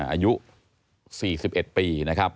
อายุ๔๑ปีนะครับ